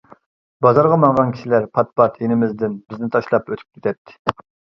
بازارغا ماڭغان كىشىلەر پات-پات يېنىمىزدىن بىزنى تاشلاپ ئۆتۈپ كېتەتتى.